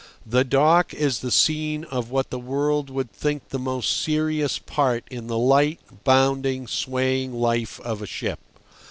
The dock is the scene of what the world would think the most serious part in the light, bounding, swaying life of a ship.